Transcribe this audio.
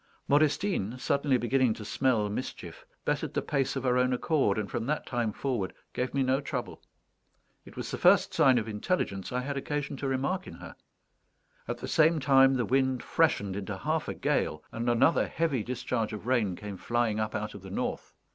Modestine, suddenly beginning to smell mischief, bettered the pace of her own accord, and from that time forward gave me no trouble. It was the first sign of intelligence I had occasion to remark in her. At the same time, the wind freshened into half a gale, and another heavy discharge of rain came flying up out of the north.